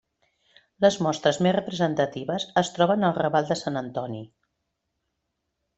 Les mostres més representatives es troben al Raval de Sant Antoni.